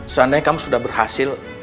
seandainya kamu sudah berhasil